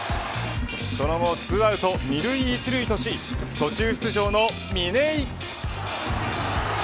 その後、２アウト２塁１塁とし途中出場の嶺井。